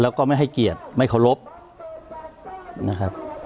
แล้วก็ไม่ให้เกียรติไม่เคารพนะครับ